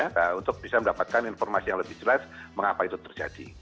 nah untuk bisa mendapatkan informasi yang lebih jelas mengapa itu terjadi